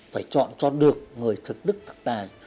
phải chọn cho được người thực đức thực tài